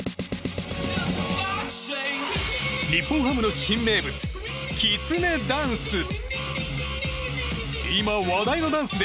日本ハムの新名物きつねダンス。